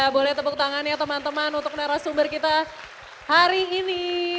boleh tepuk tangan ya teman teman untuk narasumber kita hari ini